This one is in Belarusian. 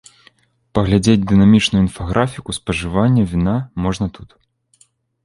Паглядзець дынамічную інфаграфіку спажывання віна можна тут.